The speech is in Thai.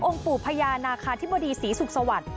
องค์ปู่พญานาคาธิบดีศรีสุขสวรรค์